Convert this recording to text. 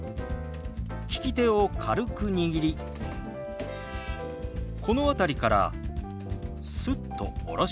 利き手を軽く握りこの辺りからスッと下ろします。